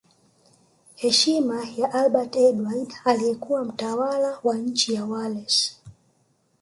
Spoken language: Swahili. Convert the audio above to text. Heshima ya Albert Edward aliyekuwa mtawala wa nchi ya Wales